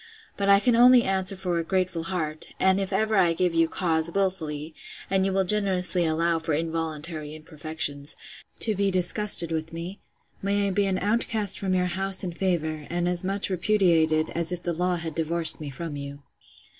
But I can only answer for a grateful heart; and if ever I give you cause, wilfully, (and you will generously allow for involuntary imperfections,) to be disgusted with me, may I be an outcast from your house and favour, and as much repudiated, as if the law had divorced me from you!